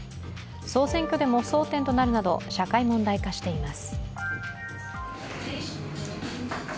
総選挙でも争点となるなど社会問題化しています。